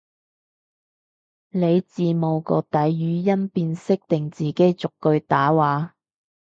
你字幕個底語音辨識定自己逐句打話？